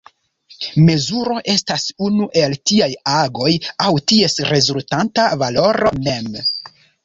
Mezuro estas unu el tiaj agoj aŭ ties rezultanta valoro mem.